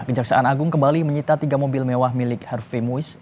kejaksaan agung kembali menyita tiga mobil mewah milik harve muis